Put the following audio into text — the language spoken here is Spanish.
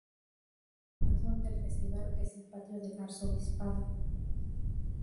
El corazón del Festival es el patio del Arzobispado.